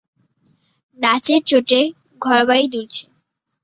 নাচের চোটে ঘরবাড়ি দুলছে।